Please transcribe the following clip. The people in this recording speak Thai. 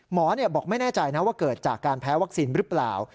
บอกไม่แน่ใจนะว่าเกิดจากการแพ้วัคซีนหรือเปล่า